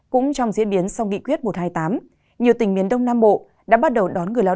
cũng trong diễn biến sau nghị quyết một trăm hai mươi tám nhiều tỉnh miền đông nam bộ đã bắt đầu đón người lao